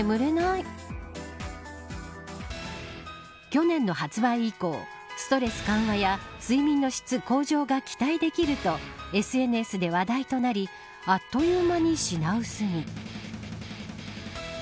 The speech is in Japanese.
去年の発売以降ストレス緩和や睡眠の質向上が期待できるとＳＮＳで話題となりあっという間に品薄に。